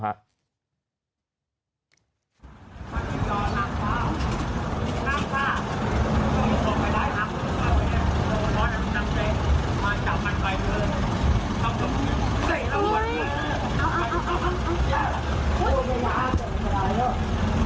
น้ำผ้าน้ำผ้าน้ำผ้าน้ำผ้าน้ำผ้าน้ำผ้าน้ำผ้าน้ำผ้า